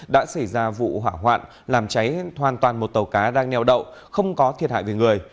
đã xảy ra vụ hỏa hoạn làm cháy hoàn toàn một tàu cá đang neo đậu không có thiệt hại về người